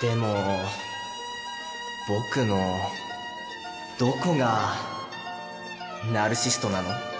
でも僕のどこがナルシストなの？